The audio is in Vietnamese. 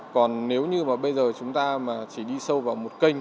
còn nếu như bây giờ chúng ta chỉ đi sâu vào một kênh